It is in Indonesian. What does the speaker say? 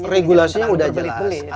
regulasinya udah jelas